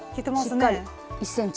しっかり１ｃｍで。